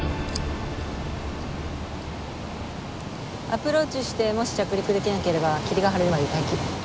アプローチしてもし着陸できなければ霧が晴れるまで待機。